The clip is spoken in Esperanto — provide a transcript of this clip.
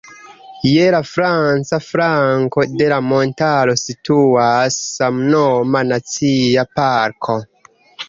Je la franca flanko de la montaro situas samnoma Nacia Parko.